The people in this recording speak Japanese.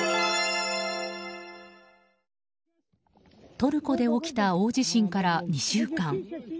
トルコで起きた大地震から２週間。